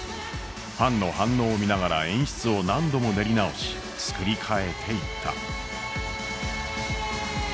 ファンの反応を見ながら演出を何度も練り直し作り替えていった。